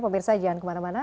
pemirsa jangan kemana mana